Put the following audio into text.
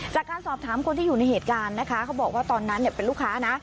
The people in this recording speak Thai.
จากการสอบถามคนที่อยู่ในเหตุการณ์นะคะเขาบอกว่าตอนนั้นเป็นลูกค้านะ